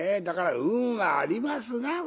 だから運がありますな